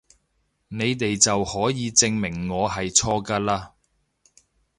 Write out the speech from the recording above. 你哋就可以證明我係錯㗎嘞！